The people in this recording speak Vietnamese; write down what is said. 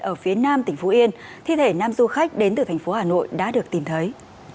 ở phía nam tỉnh phú yên thi thể nam du khách đến từ thành phố hà nội đã được tìm thấy